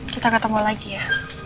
kita ketemu lagi ya